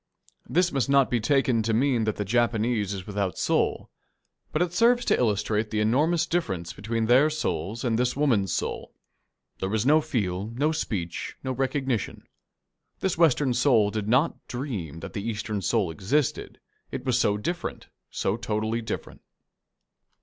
This must not be taken to mean that the Japanese is without soul. But it serves to illustrate the enormous difference between their souls and this woman's soul. There was no feel, no speech, no recognition. This Western soul did not dream that the Eastern soul existed, it was so different, so totally different.